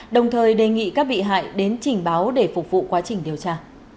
đồng thời đề nghị các bị hại đến trình báo để phục vụ quá trình điều tra